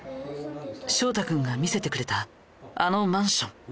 翔太君が見せてくれたあのマンション。